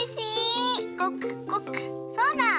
そうだ！